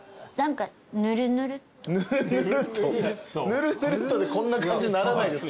ぬるぬるっとでこんな感じにならないです。